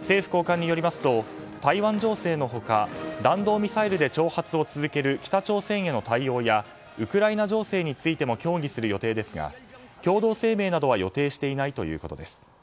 政府高官によりますと台湾情勢のほか弾道ミサイルで挑発を続ける北朝鮮への対応やウクライナ情勢についても協議する予定ですが共同声明などは予定していないということです。